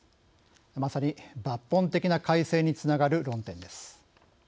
まさに抜本的な改正につながる論点です。